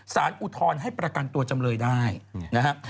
อุทธรณ์ให้ประกันตัวจำเลยได้นะครับ